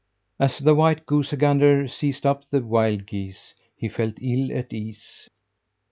As the white goosey gander sized up the wild geese, he felt ill at ease.